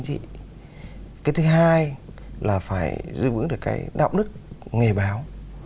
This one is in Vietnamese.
đấy là thứ hai là phải giữ ứng được cái đạo đức nghề báo